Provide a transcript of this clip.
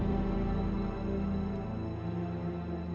setelah itu semakin